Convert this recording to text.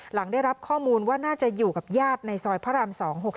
หลังได้รับข้อมูลว่าน่าจะอยู่กับญาติในซอยพระราม๒๖๓